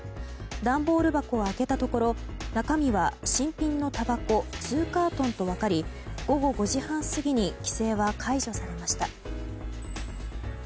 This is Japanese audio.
段ボール箱を開けたところ中身は、新品のたばこ２カートンと分かり午後５時半過ぎに規制は解除されました。